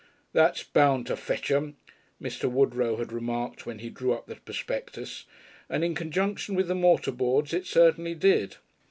"That's bound to fetch 'em," Mr. Woodrow had remarked when he drew up the prospectus. And in conjunction with the mortarboards it certainly did.